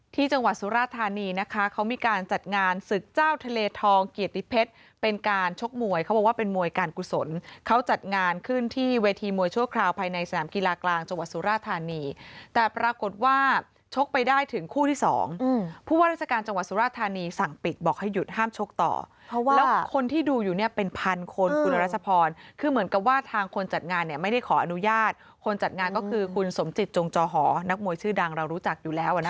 ที่จังหวัดสุราธารณีนะคะเขามีการจัดงานศึกเจ้าทะเลทองเกียรติเพชรเป็นการชกมวยเขาว่าเป็นมวยการกุศลเขาจัดงานขึ้นที่เวทีมวยชั่วคราวภายในสนามกีฬากลางจังหวัดสุราธารณีแต่ปรากฏว่าชกไปได้ถึงคู่ที่๒ผู้ว่าราชการจังหวัดสุราธารณีสั่งปิดบอกให้หยุดห้ามชกต่อเพราะว่าคนที่ดูอยู่เนี่ย